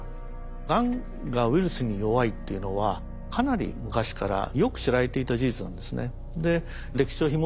がんがウイルスに弱いっていうのはかなり昔からよく知られていた事実なんですね。